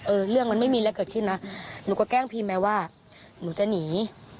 เรื่องมันไม่มีอะไรเกิดขึ้นนะหนูก็แกล้งพี่ไหมว่าหนูจะหนี